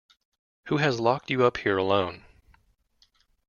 Who has locked you up here alone?